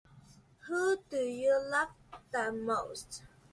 Who do you love the most?